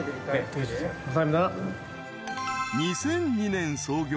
［２００２年創業。